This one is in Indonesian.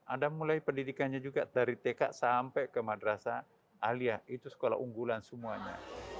ada mulai pendidikannya juga dari tk sampai ke madrasah alia itu sekolah unggulan semuanya